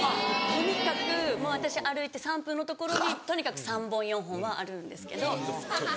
とにかくもう私歩いて３分の所にとにかく３本４本はあるんですけど。